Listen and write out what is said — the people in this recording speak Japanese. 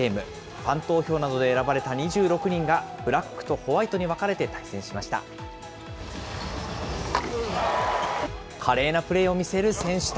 ファン投票などで選ばれた２６人が、ブラックとホワイトに分かれて対戦しました。